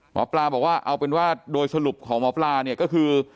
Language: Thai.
หมอปลาบอกว่าเอาเป็นว่าโดยสรุปของหมอปลาเนี่ยก็คือ